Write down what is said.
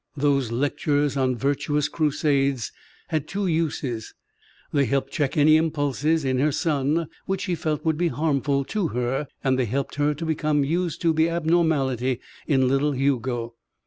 Those lectures on virtuous crusades had two uses: they helped check any impulses in her son which she felt would be harmful to her and they helped her to become used to the abnormality in little Hugo.